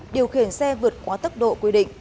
điều khiển xe vượt quá tốc độ quy định